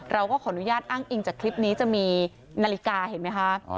เราก็ขออนุญาตอ้างอิงจากคลิปนี้จะมีนาฬิกาเห็นไหมคะ